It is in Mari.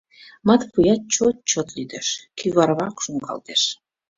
Матвуят чот-чот лӱдеш, кӱварвак шуҥгалтеш.